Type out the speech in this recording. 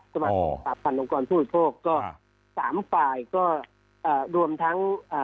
สมาคมสาพันธ์องค์กรผู้บริโภคก็สามฝ่ายก็อ่ารวมทั้งอ่า